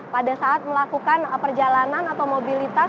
pada saat melakukan perjalanan atau mobilitas